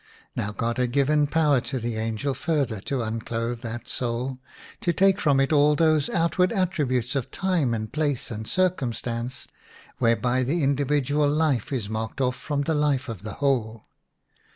Now God had given power to the angel further to unclothe that soul, to take from it all those outward attributes of time and place and circumstance whereby the individual life is marked off from the life of the whole.